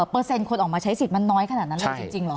เปอร์เซ็นต์คนออกมาใช้สิทธิ์มันน้อยขนาดนั้นเลยจริงหรอ